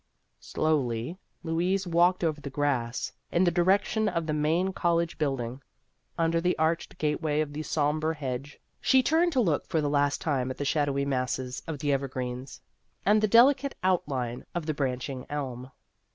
Slowly Louise walked over the grass, in the direction of the main college build ing. Under the arched gateway of the sombre hedge, she turned to look for the last time at the shadowy masses of the ever greens and the delicate outline of the 218 Vassar Studies branching elm.